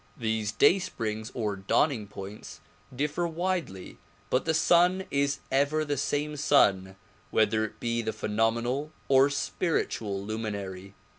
These day springs or dawning points differ widely but the sun is ever the same sun whether it be the phenomenal or spiritual luminary.